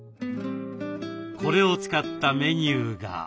これを使ったメニューが。